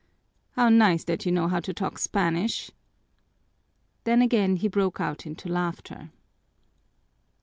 _ How nice that you know how to talk Spanish!' Then again he broke out into laughter."